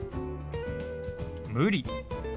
「無理」。